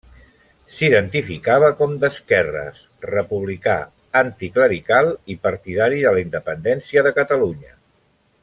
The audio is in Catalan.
S'identificava com d'esquerres, republicà, anticlerical i partidari de la Independència de Catalunya.